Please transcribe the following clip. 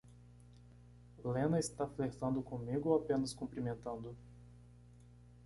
Lena está flertando comigo ou apenas cumprimentando?